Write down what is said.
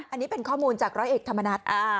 อันนี้เป็นข้อมูลจากร้อยเอกธรรมนัฐ